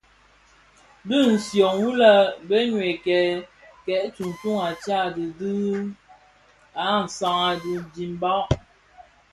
Dhi nshyom wu le Benue bè tsuňtsuň a Tchad bi an san a dimbag.